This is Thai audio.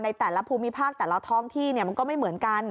แต่ละภูมิภาคแต่ละท้องที่มันก็ไม่เหมือนกัน